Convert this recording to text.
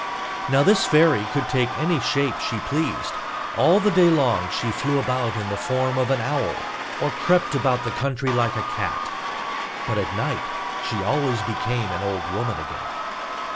Now this fairy could take any shape she pleased. All the day long she flew about in the form of an owl, or crept about the country like a cat; but at night she always became an old woman again.